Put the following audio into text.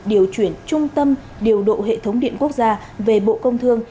điều chuyển trung tâm điều độ hệ thống điện quốc gia về bộ công thương